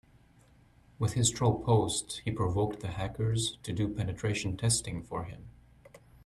With his troll post he provoked the hackers to do penetration testing for him.